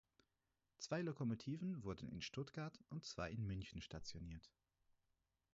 Zwei Lokomotiven wurden in Stuttgart und zwei in München stationiert.